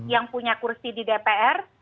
yang punya kursi di dpr